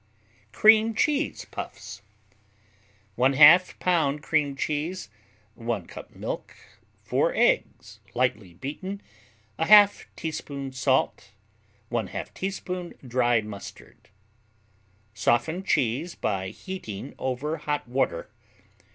Cream Cheese Puffs 1/2 pound cream cheese 1 cup milk 4 eggs, lightly beaten 1/2 teaspoon salt 1/2 teaspoon dry mustard Soften cheese by heating over hot water.